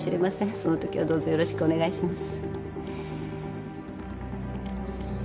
そのときはどうぞよろしくお願いします。